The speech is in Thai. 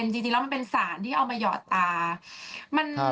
จริงแล้วมันเป็นสารที่เอามาหยอดตา